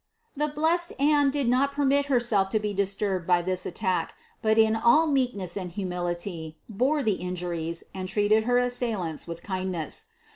319. The blessed Anne did not permit herself to be disturbed by this attack, but in all meekness and hu mility bore the injuries and treated her assailants with kindness.